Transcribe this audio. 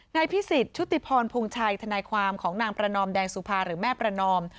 นายพิสิทธิพรพงชัยทนายความของนางประนอมแดงสุภาหรือแม่ประนอม